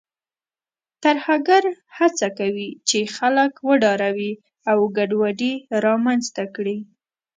ترهګر هڅه کوي چې خلک وډاروي او ګډوډي رامنځته کړي.